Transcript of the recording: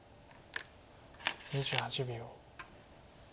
２８秒。